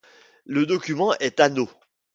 Le document est annot